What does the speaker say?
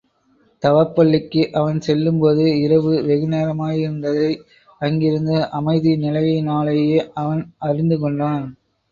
தவப் பள்ளிக்கு அவன் செல்லும்போது இரவு வெகுநேரமா யிருந்ததை அங்கிருந்து அமைதி நிலையினாலேயே அவன் அறிந்து கொண்டான்.